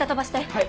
はい。